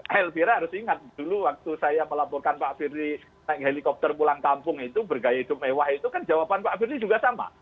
helvira harus ingat dulu waktu saya melaporkan pak firly naik helikopter pulang kampung itu bergaya hidup mewah itu kan jawaban pak firly juga sama